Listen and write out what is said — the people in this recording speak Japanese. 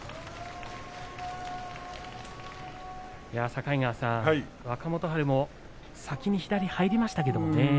境川さん、若元春も先に左が入りましたけどね。